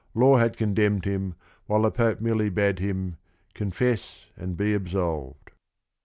Law had condemned him while the Pope merely bade him, "Confess and be absolved."